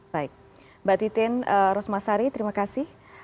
baik mbak titin ros masari terima kasih